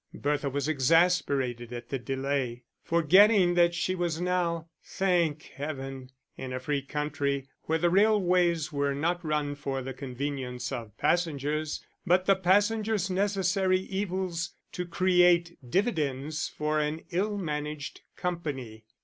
Bertha was exasperated at the delay, forgetting that she was now (thank Heaven!) in a free country, where the railways were not run for the convenience of passengers, but the passengers necessary evils to create dividends for an ill managed company.